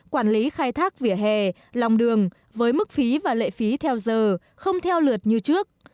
quản lý khai thác vỉa hè lòng đường với mức phí và lệ phí theo giờ không theo lượt như trước